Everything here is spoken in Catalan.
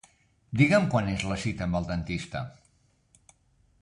Digue'm quan és la cita amb el dentista.